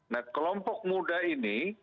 nah kelompok muda ini